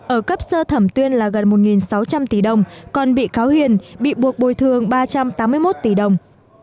ở cấp sơ thẩm tuyên là gần một sáu trăm linh tỷ đồng còn bị cáo hiền bị buộc bồi thường ba trăm tám mươi một tỷ đồng